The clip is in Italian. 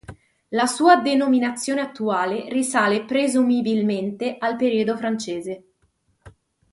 La sua denominazione attuale risale presumibilmente al periodo francese.